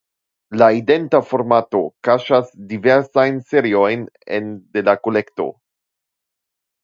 La identa formato kaŝas diversajn seriojn en de la kolekto.